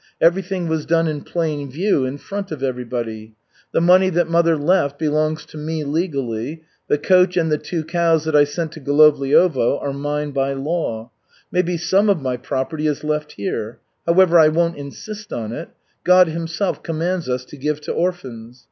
Everything was done in plain view, in front of everybody. The money that mother left belongs to me legally. The coach and the two cows that I sent to Golovliovo are mine by law. Maybe some of my property is left here. However, I won't insist on it. God Himself commands us to give to orphans.